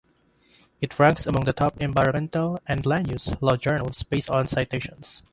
It ranks among the top environmental and land use law journals based on citations.